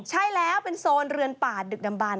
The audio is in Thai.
ใช่แล้วเป็นโซนเรือนป่าดึกดำบัน